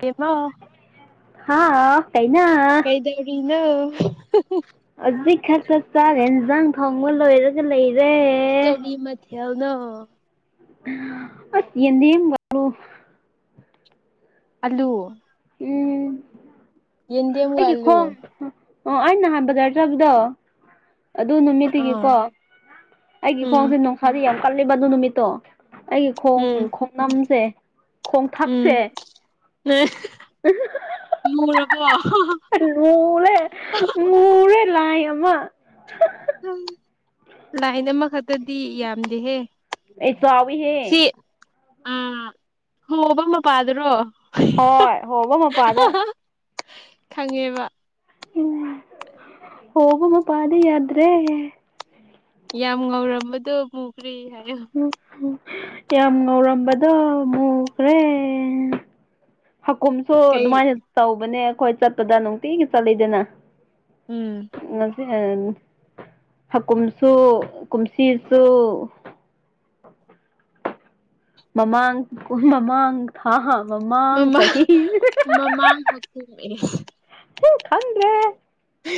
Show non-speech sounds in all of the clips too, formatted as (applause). ꯑꯦꯃ ꯍꯥꯎ ꯀꯩꯅꯣ ꯀꯩꯗꯧꯔꯤꯅ ꯍꯧꯖꯤꯛ ꯈꯔ ꯆꯞ ꯆꯥꯕ ꯏꯟꯖꯥꯡ ꯊꯣꯡꯕ ꯂꯣꯏꯔꯒ ꯂꯩꯔ ꯀꯔꯤ ꯃꯅ ꯑꯁ ꯌꯦꯦꯝꯣ ꯑꯜꯂꯨ ꯎꯝ ꯌꯦꯟꯗꯦꯝꯒ ꯑꯩꯒꯤ ꯑꯂꯨ ꯈꯣꯡ ꯑꯣ ꯑꯩ ꯅꯍꯥꯟ ꯕꯖꯔ ꯆꯕꯗꯣ ꯑꯗꯨ ꯑꯥ ꯅꯨꯃꯤꯠꯇꯨꯒꯤꯀꯣ ꯑꯩꯒꯤ ꯎꯝ ꯈꯣꯡꯁꯦ ꯅꯨꯡꯁꯥꯗꯤ ꯌꯥꯝ ꯀꯜꯂꯦꯕ ꯑꯗꯨ ꯅꯨꯃꯤꯠꯇꯣ ꯑꯩꯒꯤ ꯈꯣꯡ ꯎꯝ ꯈꯣꯡꯅꯝꯁꯦ ꯈꯣꯡꯊꯥꯛꯁꯦ ꯑ ꯃꯔꯦ ꯃꯣꯔꯦ ꯂꯃ ꯂꯥꯏꯟ ꯑꯃꯈꯛꯇꯗꯤ ꯌꯥꯝꯗꯦꯍꯦ ꯑꯩ ꯆꯕꯤ ꯍꯦ ꯁꯤ ꯑꯥ ꯍꯣꯕ ꯃꯄꯥꯗꯨꯔꯣ ꯍꯣꯏ ꯍꯣꯧꯕ ꯃꯄꯥꯗ ꯈꯪꯉꯦꯕ ꯎ ꯍꯕꯃ ꯄꯗꯗ꯭ꯔꯦ ꯌꯥꯝ ꯉꯧꯔꯝꯕꯗꯣ ꯃꯨꯈ꯭ꯔꯦ ꯍꯥꯏꯌꯣ ꯎꯝ ꯎꯝ ꯌꯥꯝ ꯉꯧꯔꯝꯕꯗꯣ ꯃꯨꯈ꯭ꯔꯦ ꯍꯀꯨꯝꯁꯨ ꯀꯩ ꯑꯗꯨꯃꯥꯏꯅ ꯇꯧꯕꯅꯦ ꯑꯩꯈꯣꯏ ꯆꯠꯄꯗ ꯅꯨꯡꯇꯤꯒꯤ ꯆꯠꯂꯤꯗꯅ ꯎꯝ ꯎ ꯍꯥꯀꯨꯝꯁꯨ ꯀꯨꯝꯁꯤꯁꯨ (unintelligible) ꯃꯃꯥꯡ ꯃꯃꯥꯡ ꯊꯥ ꯍꯥꯥ ꯃꯃꯥ ꯃꯃꯥ ꯍꯥꯛꯄꯨ ꯎ ꯊꯗ꯭ꯔꯦ b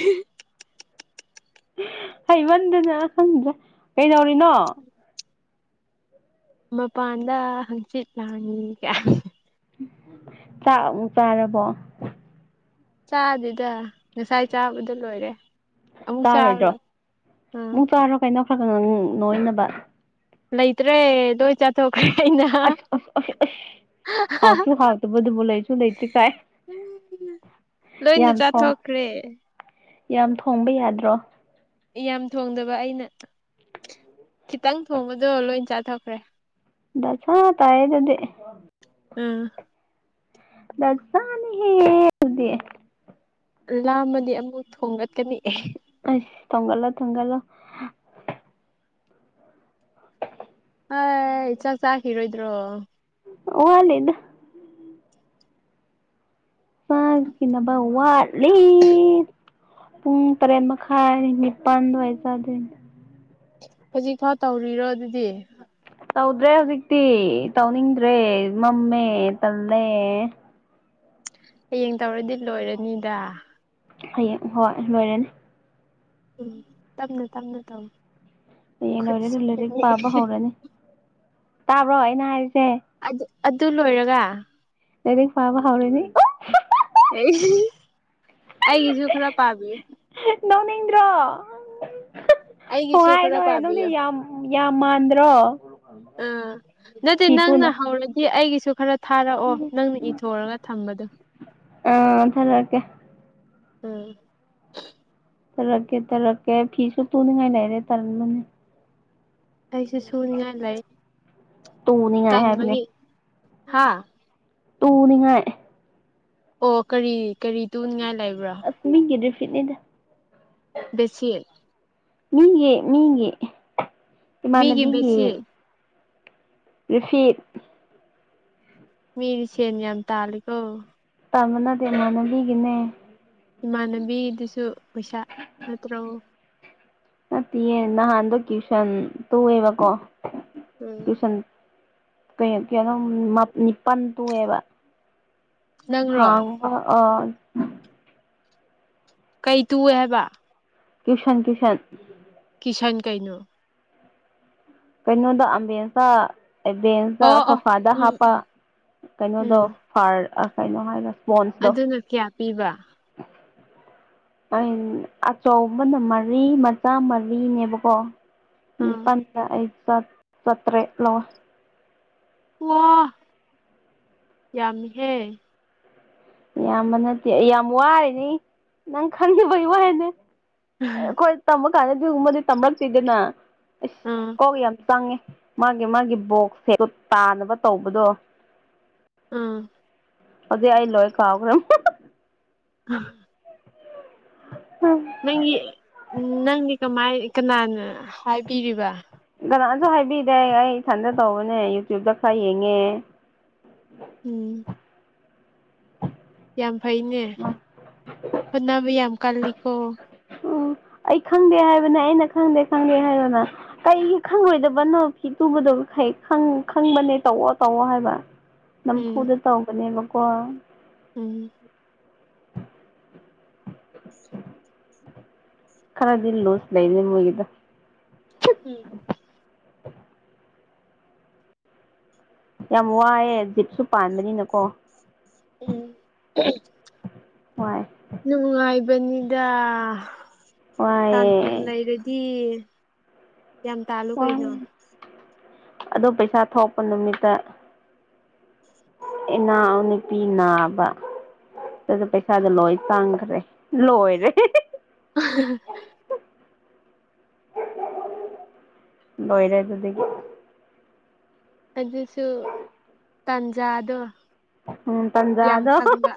ꯍꯩꯃꯟꯗꯅ ꯈꯟꯗ꯭ꯔ ꯀꯩꯗꯧꯔꯤꯅꯣ ꯃꯄꯥꯟꯗ ꯍꯪꯆꯤꯠ ꯂꯥꯡꯉ ꯀꯌꯥ ꯥꯛ ꯆꯥꯔꯕꯣ ꯆꯗꯗ ꯉꯁꯥꯏ ꯆꯥꯕꯗ ꯂꯣꯏꯔꯦ ꯑꯃꯨꯛ ꯆꯥꯔꯣꯏꯗ꯭ꯔꯣ ꯆꯥꯔꯣ ꯎꯥ ꯐꯒꯣꯏꯅꯕ ꯂꯩꯇ꯭ꯔꯦꯗꯣꯏ ꯆꯥꯊꯣꯛ ꯑꯁ ꯑ ꯑꯁ ꯍꯥꯎꯁꯨꯨ ꯍꯥꯎ ꯇꯨꯗꯨ ꯣꯂꯣꯏ ꯆꯨ ꯂꯩꯇꯔꯤ ꯀꯥꯏ ꯂꯣꯏꯅ ꯌꯥꯝ ꯊꯣꯡ ꯆꯥꯊꯣꯛꯈ꯭ꯔꯦ ꯌꯥꯝ ꯊꯣꯡꯕ ꯌꯥꯗ꯭ꯔꯣ ꯌꯥꯝ ꯊꯣꯡꯗꯕ ꯑꯩꯅ ꯈꯤꯇꯪ ꯊꯣꯡꯕꯗꯣ ꯂꯣꯏ ꯆꯥꯊꯈ꯭ꯔꯦ ꯗꯁꯥ ꯇꯥꯏ ꯑꯗꯨꯗꯤ ꯑꯝ ꯗꯁꯅꯤ ꯍꯦꯗꯤ ꯂꯥꯃꯗꯤ ꯑꯃꯨꯛ ꯊꯣꯡꯒꯀꯅꯤꯑ ꯑ ꯊꯒꯥꯂ ꯊꯒꯥꯂ ꯑ ꯏ ꯆ ꯆꯈꯤ ꯏꯔꯣꯏꯗꯣ ꯎ ꯂꯩꯗ ꯀꯩꯅꯅꯕ ꯋꯥꯠ ꯂꯩ ꯄꯨꯡ ꯇꯔꯦꯠ ꯃꯈꯥꯏ ꯅꯤꯄꯥꯟ ꯑꯗꯨꯋꯥꯏ ꯆꯥꯗꯣꯏꯅꯦ ꯍꯧꯖꯤꯛꯐꯥꯎ ꯇꯧꯔꯤꯔꯣ ꯑꯗꯨꯗꯤ ꯇꯧꯗ꯭ꯔꯦ ꯍꯧꯖꯤꯛꯇꯤ ꯇꯧꯅꯤꯡꯗ꯭ꯔꯦ ꯃꯝꯃꯦ ꯇꯜꯂꯦ ꯍꯌꯦꯡ ꯇꯧꯔꯗꯤ ꯂꯣꯏꯔꯅꯤꯗ ꯍꯌꯦꯡ ꯍꯣꯏ ꯂꯣꯏꯔꯅꯤ ꯎꯝ ꯇꯞꯅ ꯇꯞꯅ ꯇꯝ ꯍꯌꯦꯡ ꯂꯣꯏꯔꯦ ꯑꯗꯨ ꯂꯥꯏꯔꯤꯛ ꯄꯥꯕ ꯍꯧꯔꯅꯤ ꯇꯥꯕ꯭ꯔꯣ ꯑꯩꯅ ꯍꯥꯏꯔꯤꯁꯦ ꯑꯗꯨ ꯑꯗꯨ ꯂꯣꯏꯔꯒ ꯅꯗ ꯐꯔꯕ ꯍꯥꯎꯔꯅꯤ ꯑꯩꯒꯤꯁꯨ ꯈ꯭ꯔ ꯄꯥꯕꯤ ꯅꯧꯅꯦ ꯏꯟ꯭ꯔꯥ ꯍꯣꯏ ꯑꯩꯒꯤꯁꯨ ꯈꯔ ꯍꯥꯏꯗꯣꯏ ꯅꯪꯗꯤ ꯄꯥꯕꯤꯌꯨ ꯌꯥꯝ ꯌꯥꯝ ꯃꯥꯟꯗ꯭ꯔꯣ ꯑ ꯅꯠꯇꯦ ꯐꯤ ꯇꯨꯅ ꯅꯪꯅ ꯍꯧꯔꯗꯤ ꯑꯩꯒꯤ ꯁꯨ ꯈꯔ ꯊꯥꯔꯛꯑꯣ ꯅꯪꯅ ꯏꯊꯣꯛꯑꯒ ꯊꯝꯕꯗꯣ ꯑꯥ ꯊꯔꯀꯦ ꯎꯝ ꯇꯔꯛꯦ ꯇꯔꯛꯦ ꯐꯤꯁꯨ ꯇꯨꯅꯤꯉꯥꯏ ꯂꯩꯔꯦ ꯇꯔ ꯃ ꯑꯩꯁꯦ ꯁꯨꯅꯤꯡꯉꯥꯏ ꯂꯩ ꯇꯨꯅꯤ ꯑ ꯍꯥꯏꯦꯕꯅꯦ ꯍꯥꯥ ꯇꯨꯅꯤꯉꯥꯏ ꯑꯣ ꯀꯔꯤ ꯀꯔꯤ ꯇꯅꯤꯡꯉꯥꯏ ꯑꯁꯃꯤꯒꯤꯗ ꯐꯤꯗ ꯁꯤꯜ ꯃꯤꯒꯤ ꯃꯤꯒꯤ ꯃꯤꯒꯤ ꯏꯃꯥꯟꯅꯕꯤꯒꯤ ꯕꯦꯠꯁꯤꯠ ꯔꯐꯤꯠ ꯃꯤꯗꯤ ꯁꯦꯅꯌꯝ ꯇꯥꯂꯤꯈꯣ ꯇꯕꯅꯗ ꯏꯃꯥꯟꯅꯕꯤꯒꯤꯅꯦ ꯏꯃꯥꯟꯅꯕꯤꯗꯨꯁꯨ ꯄꯩꯁꯥ ꯅꯠꯇ꯭ꯔꯛꯎ ꯅꯠꯇꯦꯌꯦ ꯅꯍꯥꯟꯗꯣ ꯇ꯭ꯋꯨꯁꯟ ꯇꯣꯛꯑꯦꯕꯀꯣ ꯎꯝ ꯀ ꯀꯣ ꯅꯤꯄꯜ ꯇꯨꯑꯦꯕ ꯅꯪꯔꯣ ꯊꯥꯡ ꯑ ꯀꯩ ꯇꯨꯋꯦ ꯍꯥꯏꯕ ꯀꯁꯟ ꯀꯁꯟ ꯁꯟ ꯀꯩꯅꯣ ꯀꯩꯅꯣꯗ ꯑꯝꯕꯟꯁꯇ ꯑꯣ ꯕꯦꯟꯁꯇ ꯑꯣ ꯁꯣꯐꯥꯗ ꯎꯝ ꯍꯥꯞꯄ ꯎꯝ ꯀꯩꯅꯣꯗꯣ ꯎꯝ ꯐꯥꯔ ꯀꯩꯅꯣ ꯍꯥꯏꯔꯁꯦ ꯑꯗꯨꯅ ꯀꯌꯥ ꯄꯤꯕ ꯑꯆꯧꯕꯅ ꯃꯔꯤ ꯃꯆꯥ ꯃꯔꯤꯅꯦꯕꯀꯣ ꯑꯥ ꯄꯟꯗ ꯑꯩ ꯁꯠꯇꯦ ꯂꯣ ꯋꯥ ꯌꯥꯝꯍꯦ ꯏꯌꯥꯝꯕ ꯅꯠꯇꯦ ꯑꯩ ꯌꯥꯝ ꯋꯥꯔꯅꯤ ꯅꯪ ꯈꯪꯗꯦꯕꯒꯤ ꯋꯥꯅꯦ ꯑꯩꯈꯣꯏ ꯇꯝꯕ ꯀꯥꯟꯗꯗꯤꯒꯨꯝꯕꯗꯤ ꯇꯃꯔꯛꯇꯦꯗꯅ ꯏꯁ ꯑꯥ ꯀꯣꯛ ꯌꯥꯝ ꯆꯪꯉꯦ ꯃꯥꯒꯤ ꯃꯥꯒꯤ ꯕꯣꯛꯁꯦ ꯇꯥꯅꯕ ꯇꯧꯕꯗꯣ ꯑꯥ ꯍꯧꯗ ꯍꯥꯏꯏ ꯂꯣꯑ ꯀꯥꯎꯈ꯭ꯔꯦ ꯎꯝ ꯅꯪꯒꯤ ꯅꯪꯒꯤ ꯀꯃꯥꯏ ꯀꯅꯥꯅ ꯍꯥꯏꯕꯤꯔꯤꯕ ꯀꯅꯥꯅꯁꯨ ꯍꯥꯏꯕꯤꯗꯦ ꯑꯩ ꯏꯊꯟꯗ ꯇꯧꯕꯅꯦ ꯌꯨꯇ꯭ꯌꯕꯇ ꯈꯔ ꯌꯦꯡꯉꯦ ꯎꯝ ꯌꯥꯝ ꯐꯩꯅꯦ ꯍꯣꯠꯅꯕ ꯌꯥꯝ ꯀꯜꯂꯤꯀꯣ ꯎꯝ ꯑꯩ ꯈꯪꯗꯦ ꯍꯥꯏꯕꯅ ꯑꯩꯅ ꯈꯪꯗꯦ ꯈꯪꯗꯦ ꯍꯥꯏꯕꯅ ꯀꯩꯒꯤ ꯈꯪꯉꯣꯏꯗꯕꯅꯣ ꯐꯤ ꯇꯨꯕꯗꯣ ꯍꯩ ꯈꯪꯕꯅꯦ ꯇꯧꯑꯣꯣ ꯇꯧꯑꯣꯣ ꯍꯥꯏꯕ ꯎꯝ ꯅꯝꯐꯨꯗ ꯇꯧꯧꯕꯅꯦꯕꯀꯣ ꯎꯝ ꯈꯔꯗꯤꯟ ꯂꯨꯁ ꯂꯩꯅꯦ ꯃꯒꯤꯗ ꯎꯝ ꯌꯥꯝ ꯋꯥꯑꯦ ꯖꯤꯠꯁꯨ ꯄꯥꯟꯕꯅꯤꯅꯀꯣ ꯎꯝ ꯍꯣꯏ ꯅꯨꯡꯉꯥꯏꯕꯅꯤꯗ ꯇꯥꯟꯐꯝ ꯋꯥꯏꯑꯦ ꯂꯩꯔꯗꯤ ꯌꯥꯝ ꯇꯥꯂꯨ ꯀꯩꯅꯩꯅꯣ ꯑꯗꯨ ꯄꯩꯁꯥ ꯊꯣꯛꯄ ꯅꯨꯃꯤꯠꯇ ꯏꯅꯥꯎ ꯅꯨꯄꯤ ꯅꯥꯕ ꯑꯗꯨꯗ ꯄꯩꯁꯥꯗꯣ ꯂꯣꯏ ꯇꯥꯡꯈ꯭ꯔꯦ ꯂꯣꯏꯔꯦ (inaudible) ꯂꯣꯏꯔꯗ ꯑꯗꯨꯁꯨ ꯇꯥꯟꯖꯥꯗꯣ ꯎꯝ ꯌꯥꯝ ꯇꯟꯖꯥꯗꯣ ꯈꯪꯕ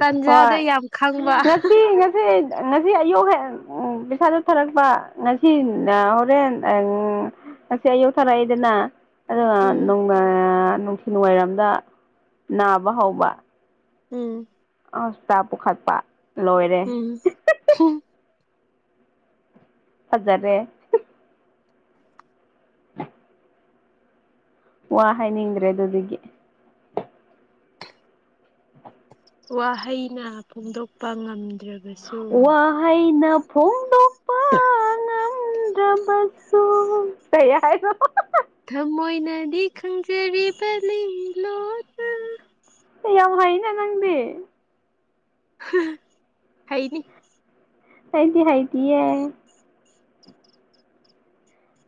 ꯇꯥꯟꯖꯥꯗꯣ ꯍꯣꯏ ꯌꯥꯝ ꯈꯪꯕ ꯉꯁꯤ ꯉꯁꯤ ꯅꯁꯤ ꯑꯣ ꯍꯥꯏ ꯎꯝ ꯄꯩꯁꯥ ꯆꯠꯊꯥꯔꯛꯄ ꯉꯁꯤ ꯍꯣꯔꯦꯟ ꯑꯁꯤꯁꯦ ꯑꯌꯨ ꯊꯔꯥꯏꯗꯅ ꯎꯝ ꯑꯗꯨꯒ ꯅꯨꯡꯊꯤ ꯋꯥꯏꯔꯝꯗ ꯅꯥꯕ ꯍꯧꯕ ꯎꯝ ꯍꯁꯇꯥ ꯄꯨꯈꯠꯄ ꯂꯣꯏꯔꯦ ꯎꯝ ꯍꯖꯔꯦ ꯎꯝ ꯋꯥ ꯍꯥꯏꯅꯤꯡꯗ꯭ꯔꯦ ꯑꯗꯨꯗꯤꯗꯒꯤ ꯎ ꯋꯥꯍꯩꯅ ꯐꯣꯡꯗꯣꯛꯄ ꯉꯝꯃꯤ ꯋꯥ ꯍꯥꯏꯥꯏꯅ ꯐꯣꯡꯗꯣ (unintelligible) ꯁꯨ ꯇꯌꯥꯔ ꯊꯃꯣꯏꯅꯗꯤ ꯈꯪꯖꯔꯤꯕ ꯂꯤꯣ ꯌꯥꯝ ꯍꯩꯅ ꯅꯪꯗꯤ ꯍꯥꯏꯅꯤ ꯍꯥꯏꯗꯤ ꯍꯥꯏꯗꯤ ꯑꯦ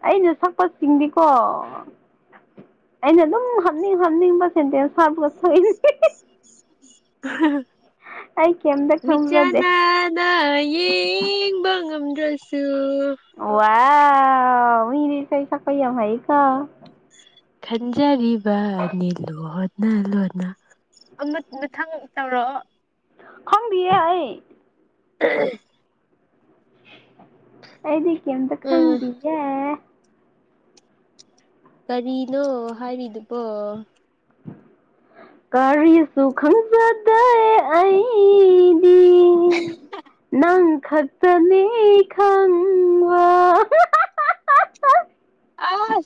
ꯑꯩꯅ ꯁꯛꯄ ꯆꯤꯡꯗꯤꯀꯣ ꯑꯩꯅ ꯑꯗꯨꯝ ꯍꯥꯅꯤꯡ ꯍꯥꯞꯅꯤꯡꯕ ꯁꯦꯟꯇꯦꯟꯁ ꯍꯥꯞꯄꯒ ꯁꯣꯏꯔ (unintelligible) ꯇꯥꯏ ꯃꯤꯆꯅ ꯅ ꯌꯦꯕ ꯉꯝꯗ꯭ꯔꯁꯨ ꯑ ꯃꯤꯗꯤꯁꯩ ꯁ ꯀ ꯌꯥꯝ ꯀ ꯈꯟꯖꯔꯤꯕꯅꯤ ꯂꯨ ꯍꯣꯠꯅ ꯂꯣꯅ ꯃꯊꯪ ꯇꯧꯔꯛꯑꯣ ꯈꯪꯗꯤꯌꯦ ꯑ ꯎ ꯑꯩꯗꯤ ꯀꯗ ꯎꯝ ꯈꯪꯗꯤ ꯑꯦ ꯀꯔꯤꯅꯣ ꯍꯥꯏꯔꯤꯗꯨꯕꯣ ꯀꯔꯤꯁꯨ ꯈꯪꯖꯗꯦ ꯑꯩꯗꯤ ꯈꯪ ꯈꯛꯇꯅꯤ ꯈꯪ ꯋꯥ ꯑ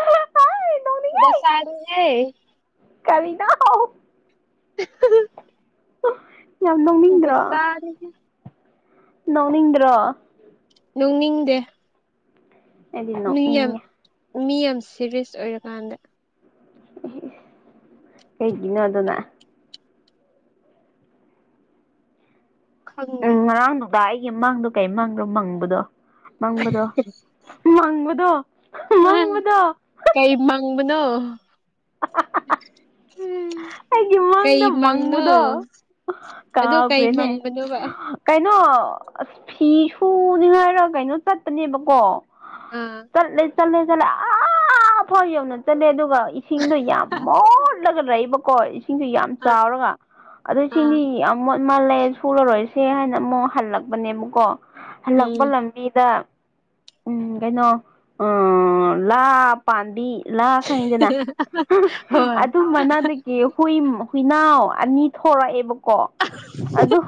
ꯑꯩ ꯕ ꯁꯔꯨ ꯌꯥ ꯀꯔꯤꯅ (unintelligible) ꯌꯥꯝ ꯅꯧꯅꯤꯡꯗ꯭ꯔꯣ ꯗꯁꯥꯅꯤꯍꯦ ꯅꯧꯅꯤꯡꯗ꯭ꯔꯣ ꯅꯣꯛꯅꯤꯡꯗꯦ ꯃꯤ ꯌꯥꯝ ꯑꯦꯗꯤꯅꯣꯛꯅꯤꯉꯦ ꯃꯤ ꯌꯥꯝ ꯁꯦꯔꯤꯌꯁ ꯑꯣꯏꯔꯀꯥꯟꯗ ꯍꯩꯒꯤꯅꯣ ꯑꯗꯨ ꯑꯗꯨꯅ ꯎꯝ ꯈꯪꯗꯦ ꯉꯔꯥꯡꯗꯨꯗ ꯑꯩꯒꯤ ꯃꯥꯡꯗꯣ ꯀꯩ ꯃꯥꯡꯗꯣ ꯃꯪꯕꯗꯣ ꯃꯪꯕꯗꯣ ꯃꯪꯕꯗꯣ ꯃꯪꯕꯗꯣ ꯀꯩ ꯃꯪꯕꯅꯣ ꯑꯩꯒꯤ ꯀꯩ ꯃꯥꯡꯗ ꯃꯪꯅꯣ ꯃꯪꯕꯗꯣ ꯑꯗꯨ ꯀꯩ ꯀꯥꯕ꯭ꯔꯦꯅꯦ ꯃꯪꯕꯅꯣꯕ ꯀꯥꯏ ꯀꯩꯅꯣ ꯑꯁ ꯐꯤ ꯁꯨꯅꯤꯉꯥꯏꯔ ꯀꯩꯅꯣ ꯆꯠꯄꯅꯦꯕꯀꯣ ꯑꯥ ꯆꯠꯂꯦ ꯆꯠꯂꯦ ꯆꯠꯂꯦ ꯑꯥ ꯐꯥꯎ ꯌꯧꯅ ꯆꯠꯂꯦ ꯑꯗꯨ ꯏꯁꯤꯡꯗꯣ ꯌꯥꯝ ꯃꯣꯠꯂꯒ ꯂꯩꯕꯀꯣ ꯏꯁꯤꯡꯁꯨ ꯌꯥꯝ ꯆꯥꯎꯔꯒ ꯑꯗ ꯏ ꯑꯥ ꯁꯤꯡꯗꯤ ꯃꯥꯜꯂꯦ ꯁꯨꯔꯔꯣꯏꯁꯦ ꯍꯥꯏꯅ ꯑꯃꯨꯛ ꯍꯜꯂꯛꯄꯅꯦꯕꯀꯣ ꯍꯜꯂꯛꯄ ꯎꯝ ꯂꯝꯕꯤꯗ ꯎꯝ ꯀꯩꯅꯣ ꯎ ꯂꯥ ꯄꯥꯝꯕꯤ ꯂꯥꯛ ꯈꯪꯗꯦꯅ ꯍꯣꯏ ꯑꯗꯨ ꯃꯅꯥꯗꯤ ꯍꯨꯏꯅꯥꯎ ꯑꯅꯤ ꯊꯣꯔꯛ ꯑꯦꯕ ꯀꯣ ꯑꯗꯨ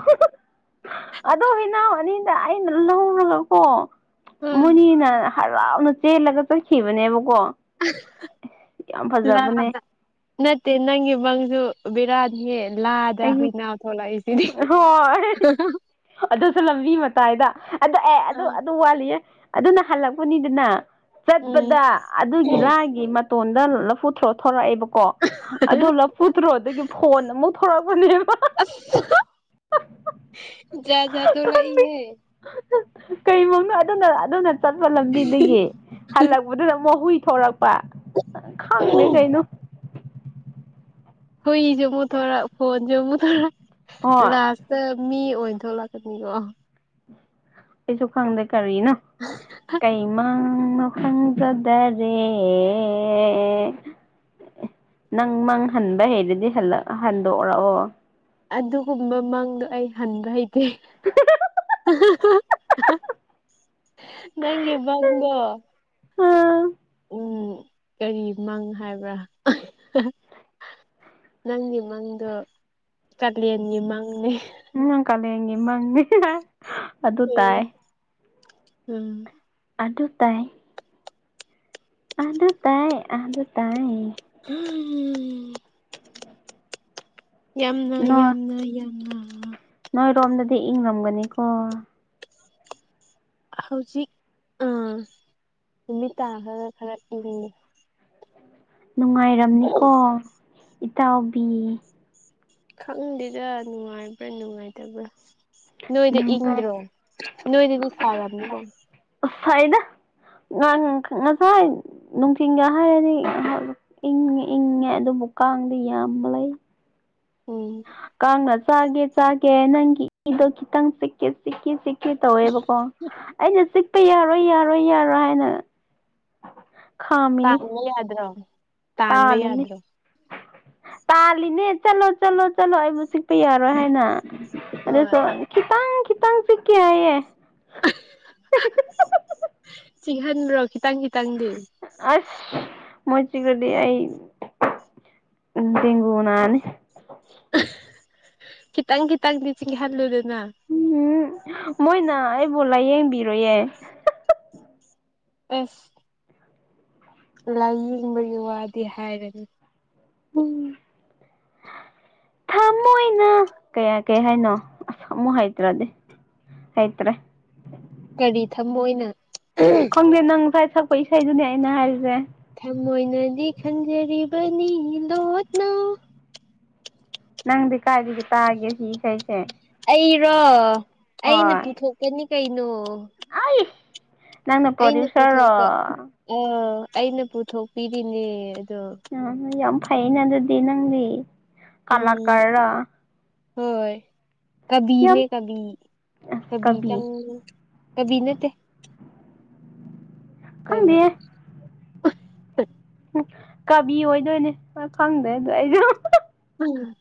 ꯑꯗꯨꯣ ꯏꯅꯥꯎ ꯑꯅꯤ ꯑꯩꯅ ꯂꯧꯔꯒꯀꯣ ꯃꯣꯏꯅꯤꯅ ꯍꯔꯥꯎꯅ ꯆꯦꯜꯂꯒ ꯆꯠꯈꯤꯕꯅꯦꯕꯀꯣ (unintelligible) ꯌꯥꯝ ꯐꯖꯕꯅꯦ ꯅꯠꯇꯦ ꯅꯪꯒꯤ ꯃꯪ ꯕꯤꯔꯥꯠ ꯍ ꯂꯥꯗ ꯑꯩꯒꯤ ꯍꯅꯥ ꯊꯣꯛꯂꯛ ꯍꯣꯏ ꯑꯗꯨꯁꯨ ꯂꯝꯕꯤ ꯃꯇꯥꯏꯗ ꯑꯗꯨ ꯑꯦ ꯑꯗꯨ ꯑꯗꯨ ꯋꯥꯠꯂꯤꯌꯦ ꯑꯗꯨꯅ ꯍꯜꯂꯛꯄꯅꯤꯗꯅ ꯆꯠꯄꯗ ꯎꯝ ꯑꯗꯨꯒꯤ ꯂꯥꯒꯤ ꯇꯣꯟꯗ ꯂꯐꯨ ꯊꯔꯣ ꯊꯣꯔꯛꯑꯦꯕꯀꯣ ꯑꯗꯨ ꯂꯐꯨ ꯊ꯭ꯔꯣꯗꯒꯤ ꯐꯣꯟ ꯑꯃꯨꯛ ꯊꯣꯔꯛꯄꯅꯦ ꯌꯥꯖ ꯊꯂ ꯏꯍꯦ ꯀꯔꯤ ꯃꯔꯣꯅꯣ ꯑꯗꯨꯅ ꯑꯗꯨꯅ ꯆꯠꯄ ꯂꯝꯕꯤꯗꯒꯤ ꯍꯜꯂꯛꯄꯗꯨꯅ ꯍꯨꯏ ꯊꯣꯔꯛꯄ ꯈꯪꯗꯦ ꯀꯩꯅꯣ ꯍꯣꯏ ꯁꯨ ꯄꯨꯊꯣꯊꯣꯔꯛ ꯐꯣꯟꯁꯨ ꯄꯨꯊꯣꯔꯛ ꯍꯣꯏ ꯂꯥꯁ ꯇ ꯃꯤ ꯊꯣꯛ ꯂꯥꯛꯀꯅꯤꯀꯣ ꯑꯩꯁꯨ ꯈꯪꯗꯦ ꯀꯔꯤꯅꯣ ꯀꯩꯃ ꯈꯪꯖꯗꯔꯦ ꯅꯪ ꯃꯪ ꯍꯟꯕ ꯍꯩꯔꯗꯤ ꯍꯟꯗꯣꯛꯎꯔꯛꯑꯣ ꯑꯗꯨꯒꯨꯝꯕ ꯃꯥꯡꯗꯣ ꯑꯩ ꯍꯟꯕ ꯍꯩꯇꯦ ꯅꯪꯒꯤ ꯃꯪ ꯗꯣ ꯎꯝ ꯎ ꯀꯔꯤ ꯃꯪ ꯍꯥꯏꯕ꯭ꯔꯥ ꯅꯪꯒꯤ ꯃꯪꯗꯣ ꯀꯥꯂꯦꯟꯒꯤ ꯃꯪꯅꯦ ꯎ ꯀꯥꯂꯦꯟꯒꯤ ꯃꯪꯅꯤ ꯑꯗꯨ ꯎꯝ ꯇꯥꯏ ꯎꯝ ꯑꯗꯨꯇꯥꯏ ꯑꯗꯨ ꯇꯥꯏ ꯑꯗꯨ ꯇꯥꯏ ꯎꯝ ꯌꯥꯝꯅ ꯅꯣꯏ ꯌꯥꯝꯅ ꯌꯥꯝꯅ ꯅꯣꯏꯔꯣꯝꯗꯗꯤ ꯏꯪꯔꯝꯒꯅꯤꯀꯣ ꯍꯧꯖꯤꯛ ꯅꯨꯃꯤꯠ ꯈꯔ ꯈꯔ ꯏꯪꯉꯦ ꯅꯨꯡꯉꯥꯏꯔꯝꯅꯤꯀꯣ ꯏꯇꯥꯎꯕꯤ ꯈꯪꯗꯦꯗ ꯅꯨꯡꯉꯥꯏꯕ꯭ꯔꯥ ꯅꯨꯡꯉꯥꯏꯇꯕ꯭ꯔꯥ ꯅꯣꯏꯗ ꯅꯨꯡꯉꯥꯏ ꯏꯪꯗ꯭ꯔꯣ ꯅꯣꯏꯗꯗꯤ ꯁꯥꯔꯕꯅꯤꯀꯣ ꯐꯣꯏꯗ ꯉꯁꯥꯏ ꯅꯨꯡꯊꯤꯟꯜꯒ ꯍꯥꯏꯔꯗꯤ ꯏꯉ ꯏꯪꯉꯦ ꯑꯗꯨꯝ ꯎꯀꯥꯡꯗꯤ ꯌꯥꯝꯕ ꯂꯩ ꯎꯝ ꯀꯥꯡꯅ ꯆꯥꯒꯦ ꯆꯥꯒꯦ ꯅꯪꯒꯤ ꯏꯗꯣ ꯈꯤꯇꯪ ꯆꯤꯛ ꯁꯤꯛꯛ ꯀꯦ ꯇꯧꯋꯦꯕꯀꯣ ꯑꯩꯅ ꯆꯤꯛꯄ ꯌꯥꯔꯣꯏ ꯌꯥꯔꯣꯏ ꯌꯥꯔꯣꯏ ꯍꯥꯏꯅ ꯈꯥꯝꯃꯤꯅꯤ ꯇꯥꯟꯕꯥꯟꯕ ꯌꯥꯗ꯭ꯔꯣ ꯇꯥꯟꯕꯥꯟꯕ ꯌꯥꯗ꯭ꯔꯣ ꯄꯥꯜꯂꯤꯅꯦ ꯆꯠꯂꯣ ꯆꯠꯂꯣ ꯆꯠꯂꯣ ꯑꯩꯕꯨ ꯆꯤꯛꯄ ꯌꯥꯔꯣꯏ ꯍꯥꯏꯅ ꯑꯗ ꯍꯣꯏ ꯁꯣ ꯈꯤꯇꯪ ꯈꯤꯇꯪ ꯆꯀꯦ ꯍꯥꯏꯌꯦꯦ ꯆꯤꯡꯍꯟꯕ꯭ꯔꯣ ꯈꯤꯇꯪ ꯈꯤꯇꯪꯗꯤ ꯁ ꯃꯣꯏ ꯆꯒꯗꯤ ꯑꯩ ꯇꯒꯨꯅꯥꯅꯤ ꯀꯤꯇꯪ ꯀꯤ ꯇꯪ ꯅꯤꯡꯁꯤꯡ ꯍꯜꯂꯗ ꯎꯝ ꯃꯣꯏꯅ ꯑꯩꯕꯨꯣ ꯂꯥꯏꯌꯦꯡꯕꯤꯔꯣꯌꯦ ꯑꯁ ꯂꯥꯏꯌꯦꯡꯕꯒꯤ ꯋꯥꯗꯤ ꯍꯥꯏꯔꯅꯤ ꯎꯝ ꯊꯃꯣꯣꯏꯅ ꯀꯌꯥ ꯀꯌꯥ ꯍꯥꯏꯅꯣ ꯑꯁꯃꯨ ꯍꯩꯇ꯭ꯔꯗꯤ ꯍꯥꯏꯣꯏ ꯇ꯭ꯔꯦ ꯀꯔꯤ ꯊꯝꯃꯣꯅ ꯈꯪꯗꯦ ꯅꯪ ꯉꯥꯏ ꯁꯛꯄ ꯏꯁꯩꯗꯨꯅꯦ ꯑꯩꯅ ꯍꯥꯏꯔꯤꯁꯦ ꯃꯣꯏꯅꯗꯤ ꯈꯟꯖꯔꯤꯕꯅꯤ ꯂꯣꯅ ꯅꯪꯗꯤ ꯀꯥꯏꯗꯤ ꯇꯥꯒꯦ ꯁꯤ ꯏꯁꯩꯁꯦ ꯑꯩꯔꯣ ꯑꯩꯅ ꯄꯨꯊꯣꯛꯀꯅꯤ ꯀꯩꯅꯣ ꯑ ꯅꯪꯅ ꯑꯩꯅ ꯄ꯭ꯔꯣꯗ꯭ꯌꯨꯁꯔꯣ ꯄꯨꯊꯣꯛꯄ ꯑꯥ ꯑꯩꯅ ꯄꯨꯊꯣꯛꯄꯤꯔꯤꯅꯦ ꯑꯗꯣ ꯑ ꯌꯥꯝ ꯐꯩꯅꯦ ꯑꯗꯨꯗꯤ ꯅꯪꯗꯤ ꯎꯝ ꯀꯂꯥꯀꯥꯔ ꯍꯣꯏ ꯀꯕꯤꯅꯦ ꯀꯕꯤ ꯀꯕꯤ ꯆꯪ ꯀꯕꯤ ꯅꯠꯇ ꯈꯪꯗꯦ ꯀꯅ ꯀꯕꯤ ꯑꯣꯏꯗꯣꯏꯅꯦ ꯈꯪꯗꯦ ꯑꯗꯣ ꯑꯩꯁꯨ ꯎꯝ